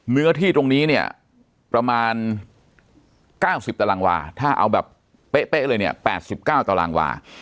เนื้อที่ตรงนี้เนี่ยประมาณ๙๐ตารางวาถ้าเอาแบบเป๊ะเลยเนี่ย๘๙ตารางวา